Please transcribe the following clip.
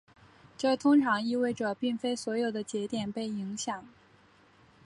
这通常意味着并非所有的节点被影响。